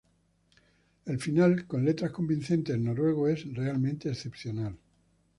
El final, con letras convincentes en noruego, es realmente excepcional.